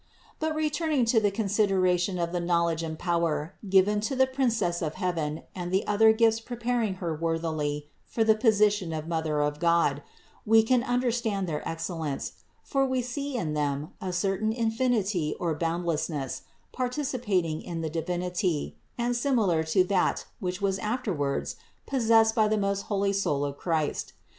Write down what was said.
23. But returning to the consideration of the knowl edge and power given to the Princess of heaven and the other gifts preparing Her worthily for the position of Mother of God, we can understand their excellence, for we see in them a certain infinity or boundlessness, par ticipating of the Divinity, and similar to that which was afterwards possessed by the most holy soul of Christ.